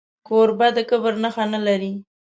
کوربه د کبر نښه نه لري.